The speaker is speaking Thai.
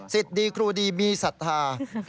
เจ็ดดีคู่ดีมีศรัทธา